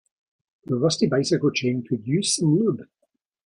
Your rusty bicycle chain could use some lube.